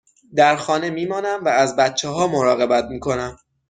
در خانه می مانم و از بچه ها مراقبت می کنم.